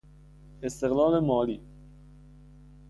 استقلال مالی